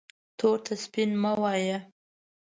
تور ته سپین مه وایه